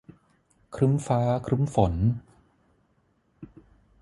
ครึ้มฟ้าครึ้มฝน